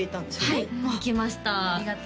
はい行きました